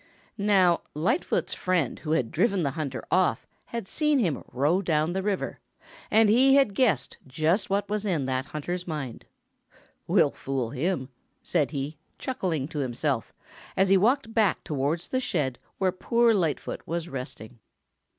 Now Lightfoot's friend who had driven the hunter off had seen him row down the river and he had guessed just what was in that hunter's mind. "We'll fool him," said he, chuckling to himself, as he walked back towards the shed where poor Lightfoot was resting.